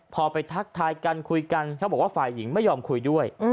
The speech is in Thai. พอไปทักทายกันคุยกันเขาบอกว่าฝ่ายหญิงไม่ยอมคุยด้วย